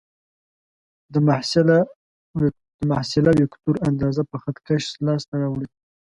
د محصله وکتور اندازه په خط کش لاس ته راوړئ.